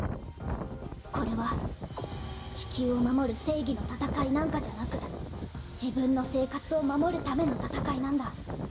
これは地球を守る正義の戦いなんかじゃなく自分の生活を守るための戦いなんだ。